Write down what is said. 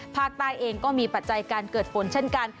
ภาคใต้เองก็มีปัจจัยการเกิดฝนเช่นกัน